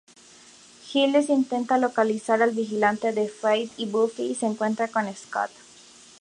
Giles intenta localizar al Vigilante de Faith y Buffy se encuentra con Scott.